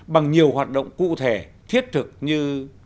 bằng nhiều hoạt động cụ thể thiết thực như